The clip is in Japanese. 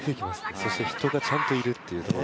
そして人がちゃんといる。